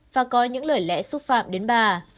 và có những lời lẽ xúc phạm đến bà